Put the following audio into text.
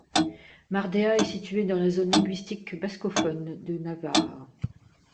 Mardea est situé dans la zone linguistique bascophone de Navarre.